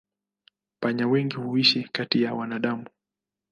Panya wengi huishi kati ya wanadamu.